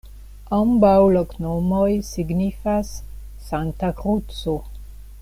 Ambaŭ loknomoj signifas: Sankta Kruco.